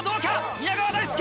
宮川大輔！